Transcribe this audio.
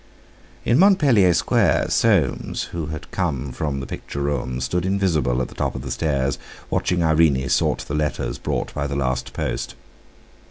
In Montpellier Square Soames, who had come from the picture room, stood invisible at the top of the stairs, watching Irene sort the letters brought by the last post.